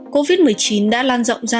covid một mươi chín đã lan rộng ra